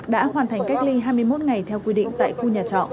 đã hoàn thành cách ly hai mươi một ngày theo quy định tại khu nhà trọ